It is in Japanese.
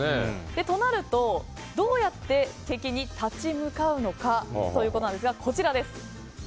そうなるとどうやって敵に立ち向かうのかということなんですがこちらです。